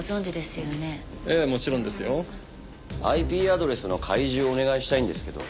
ＩＰアドレスの開示をお願いしたいんですけど。